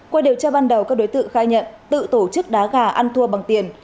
qua điều tra ban đầu các đối tượng khai nhận tự tổ chức đá gà ăn thua bằng tiền